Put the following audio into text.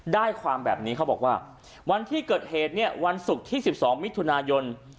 ได้ความแบบนี้เขาบอกว่าวันที่เกิดเหตุเนี่ยวันศุกร์ที่๑๒มิถุนายน